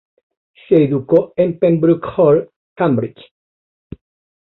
Se educó en Pembroke Hall, Cambridge.